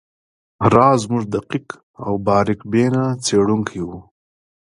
راز زموږ دقیق او باریک بینه څیړونکی وو